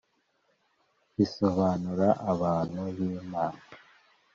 bisobanura abantu b’imana vishinu.